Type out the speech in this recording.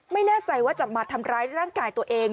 ไม่แน่ใจว่าจะมาทำร้ายร่างกายตัวเอง